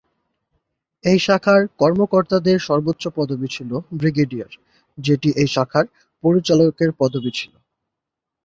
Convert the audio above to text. এই শাখার কর্মকর্তাদের সর্বোচ্চ পদবী ছিল ব্রিগেডিয়ার, যেটি এই শাখার পরিচালকের পদবী ছিল।